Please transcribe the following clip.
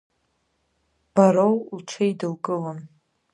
Бароу лҽеидылкылон.